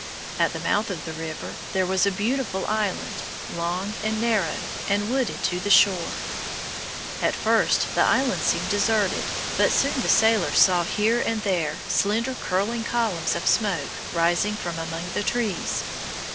At the mouth of the river there was a beautiful island, long and narrow, and wooded to the shore. At first the island seemed deserted, but soon the sailors saw here and there slender curling columns of smoke rising from among the trees.